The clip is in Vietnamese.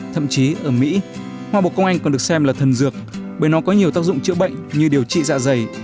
thậm chí ở mỹ hoa bộ công anh còn được xem là thần dược bởi nó có nhiều tác dụng chữa bệnh như điều trị dạ dày